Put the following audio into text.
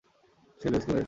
সে লুইসকে মেরেছে!